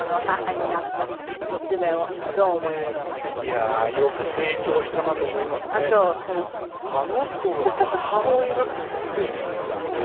あの子が母親？って思います。